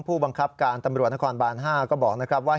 ผู้บังคับการตำรวจนครบาน๕ก็บอกนะครับว่า